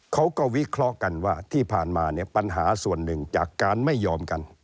เขาก็วิเคราะห์กันว่าที่ผ่านมาเนี่ยปัญหาส่วนหนึ่งจากการไม่ยอมกัน